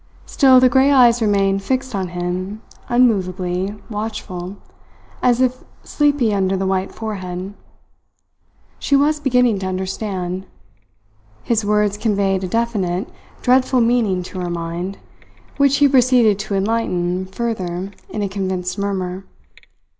Still the grey eyes remained fixed on him unmovably watchful, as if sleepy under the white forehead. She was beginning to understand. His words conveyed a definite, dreadful meaning to her mind, which he proceeded to enlighten further in a convinced murmur.